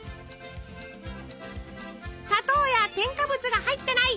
砂糖や添加物が入ってない